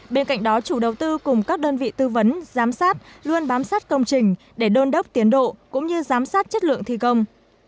bên cạnh đó chủ đầu tư cùng các đơn vị tư vấn giám sát luôn bám sát công trình để đôn đốc tiến độ cũng như giám sát chất lượng thi công